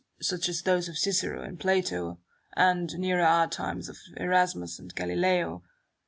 such as those of Cicero and Plato, and, nearer our times, of Erasmus and Galileo.